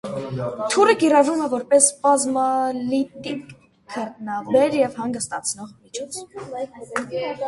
Թուրը կիրառվում է որպես սպազմալիտիկ, քրտնաբեր և հանգստացնող միջոց։